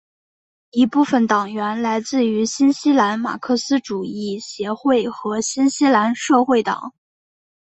一部分党员来自于新西兰马克思主义协会和新西兰社会党。